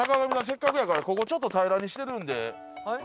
せっかくやからここちょっと平らにしてるんで。